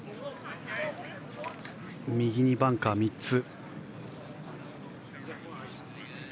右にバンカーが３つ。